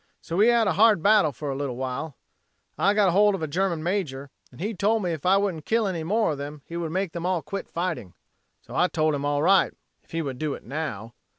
So we had a hard battle for a little while. "I got hold of a German major and he told me if I wouldn't kill any more of them he would make them quit firing. "So I told him all right. If he would do it now.